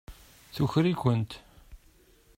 Tuker-ikent.